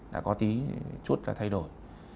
đã có tí chút là thay đổi